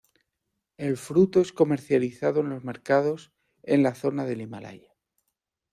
El fruto es comercializado en los mercados en la zona del Himalaya.